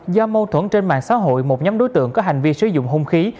do mâu thuẫn trên mạng xã hội một nhóm đối tượng có hành vi sử dụng hung khí